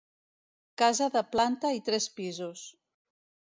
Casa de planta i tres pisos.